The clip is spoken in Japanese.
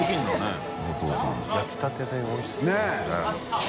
焼きたてでおいしそうですね。